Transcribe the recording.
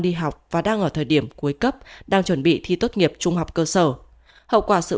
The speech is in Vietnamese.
đi học và đang ở thời điểm cuối cấp đang chuẩn bị thi tốt nghiệp trung học cơ sở hậu quả sự